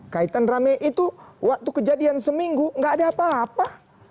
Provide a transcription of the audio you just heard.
kaitan rame itu waktu kejadian seminggu gak ada apa apa